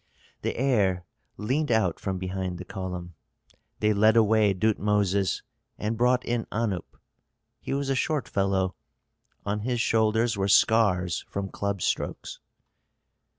The heir leaned out from behind the column. They led away Dutmoses, and brought in Anup. He was a short fellow. On his shoulders were scars from club strokes.